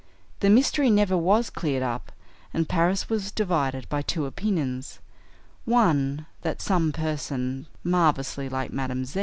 The mystery never was cleared up, and Paris was divided by two opinions: one that some person marvelously like Madame Z.